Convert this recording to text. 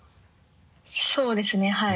そうですねはい。